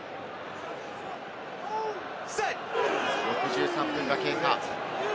６３分が経過。